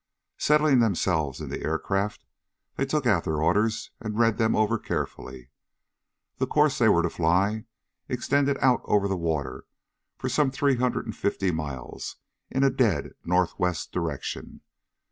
Settling themselves in the aircraft, they took out their orders and read them over carefully. The course they were to fly extended out over the water for some three hundred and fifty miles in a dead northwest direction.